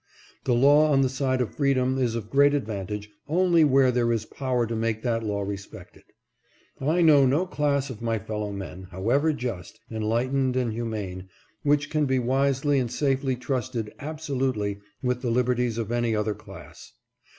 The law on the side of free dom is of great advantage only where there is power to make that law respected. I know no class of my fellow men, however just, enlightened, and humane, which can be wisely and safely trusted absolutely with the liber ties of any other class.